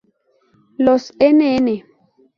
Los nn.